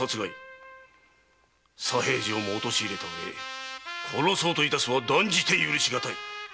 左平次をも陥れたうえ殺そうといたすとは断じて許しがたい！